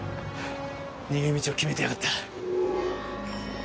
逃げ道を決めてやがった。